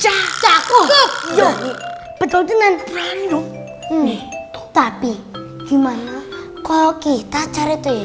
hah siapa belakang lokuan ini